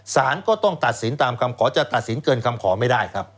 สารก็ต้องตัดสินตามคำขอจะตัดสินเกินคำขอไม่ได้ครับ